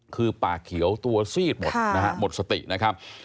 คือปากเขียวตัวซีดหมดนะฮะหมดสตินะครับ